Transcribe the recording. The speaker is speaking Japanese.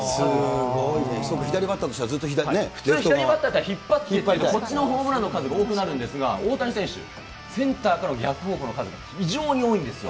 すごいね、そうか、左バッタ普通左バッターだったら引っ張って、こっちのホームランの数のほうが多くなるんですが、大谷選手、センターからの逆方向の数、非常に多いんですよ。